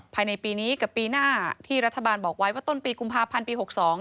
ภายในปีนี้กับปีหน้าที่รัฐบาลบอกไว้ว่าต้นปีกุมภาพันธ์ปี๖๒